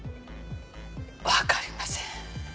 わかりません。